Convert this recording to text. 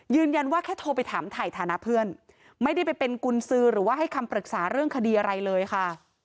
แค่โทรไปถามถ่ายฐานะเพื่อนไม่ได้ไปเป็นกุญสือหรือว่าให้คำปรึกษาเรื่องคดีอะไรเลยค่ะ